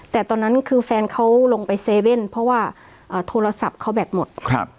แต่ตอนนั้นคือแฟนเขาลงไปเซเว่นเพราะว่าโทรศัพท์เขาแบตหมด